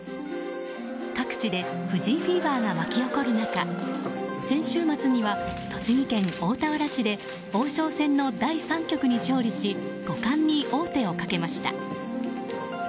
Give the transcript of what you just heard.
各地で藤井フィーバーが巻き起こる中先週末には栃木県大田原市で王将戦の第３局に勝利し五冠に王手をかけました。